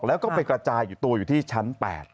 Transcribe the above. แล้วก็ไปกระจายอยู่ตัวอยู่ที่ชั้น๘